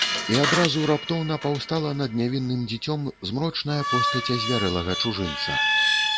І адразу раптоўна паўстала над нявінным дзіцём змрочная постаць азвярэлага чужынца.